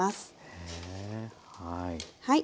へえはい。